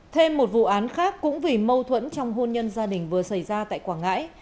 thêm một vụ án khác cũng vì mâu thuẫn trong hôn nhân gia đình vừa xảy ra tại quảng ngãi